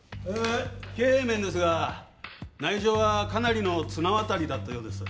経営面ですが内情はかなりの綱渡りだったようです。